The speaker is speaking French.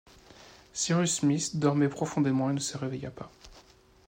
Cyrus Smith dormait profondément et ne se réveilla pas